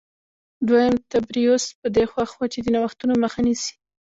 دویم تبریوس په دې خوښ و چې د نوښتونو مخه نیسي